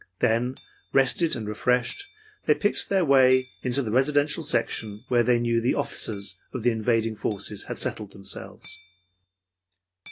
Then, rested and refreshed, they picked their way into the residential section where they knew the officers of the invading forces had settled themselves.